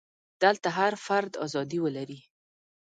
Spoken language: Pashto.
دلته هر فرد ازادي ولري.